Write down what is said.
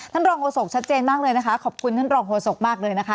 รองโฆษกชัดเจนมากเลยนะคะขอบคุณท่านรองโฆษกมากเลยนะคะ